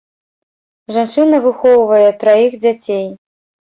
Жанчына выхоўвае траіх дзяцей.